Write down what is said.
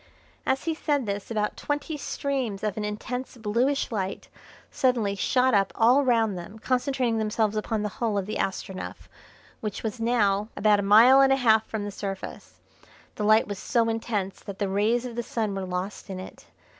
As he said this about twenty streams of an intense bluish light suddenly shot up all round them, concentrating themselves upon the hull of the Astronef, which was now about a mile and a half from the surface. The light was so intense that the rays of the Sun were lost in it.